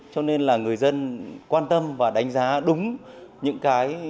cho nên là người dân quan tâm và đánh giá đúng những cái